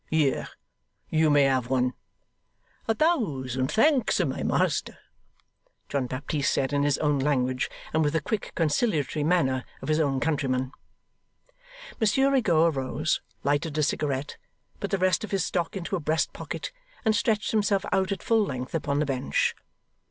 'Here! You may have one.' 'A thousand thanks, my master!' John Baptist said in his own language, and with the quick conciliatory manner of his own countrymen. Monsieur Rigaud arose, lighted a cigarette, put the rest of his stock into a breast pocket, and stretched himself out at full length upon the bench.